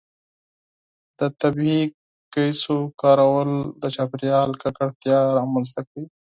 د طبیعي ګازو کارول د چاپیریال ککړتیا رامنځته کوي.